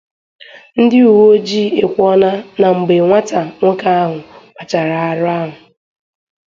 Ndị uwe ojii ekwuona na mgbe nwata nwoke ahụ kpachara arụ ahụ